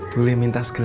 boleh minta segalanya